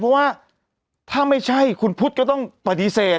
เพราะว่าถ้าไม่ใช่คุณพุทธก็ต้องปฏิเสธ